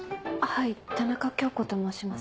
はい田中京子と申します。